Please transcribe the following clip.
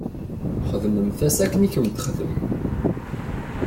Xdmemt-as akken i kent-texdem.